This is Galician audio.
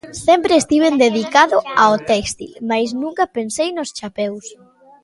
Sempre estiven dedicado ao téxtil, mais nunca pensei nos chapeus.